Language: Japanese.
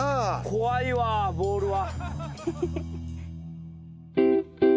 怖いわボールは。